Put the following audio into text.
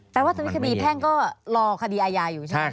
ว่าตอนนี้คดีแพ่งก็รอคดีอาญาอยู่ใช่ไหม